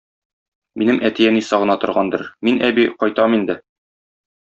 Минем әти-әни сагына торгандыр, мин, әби, кайтам инде.